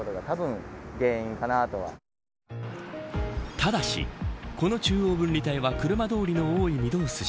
ただし、この中央分離帯は車通りの多い御堂筋。